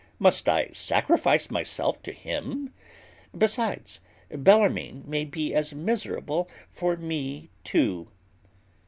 Must I sacrifice myself to him? besides, Bellarmine may be as miserable for me too."